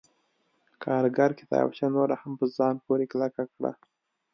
کارګر کتابچه نوره هم په ځان پورې کلکه کړه